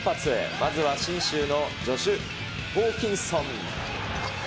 まずは信州のジョシュ・ホーキンソン。